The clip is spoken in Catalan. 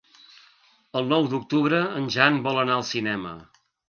El nou d'octubre en Jan vol anar al cinema.